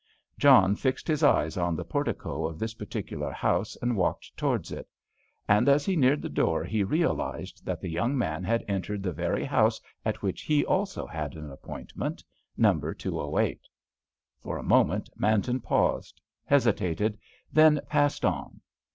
John fixed his eyes on the portico of this particular house and walked towards it. And as he neared the door he realised that the young man had entered the very house at which he also had an appointment—Number 208. For a moment Manton paused, hesitated, then passed on.